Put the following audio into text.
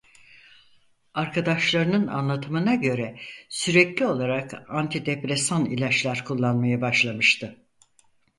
Arkadaşlarının anlatımına göre sürekli olarak antidepresan ilaçlar kullanmaya başlamıştı.